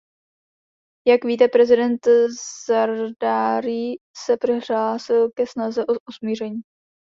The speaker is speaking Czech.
Jak víte, prezident Zardárí se přihlásil ke snaze o usmíření.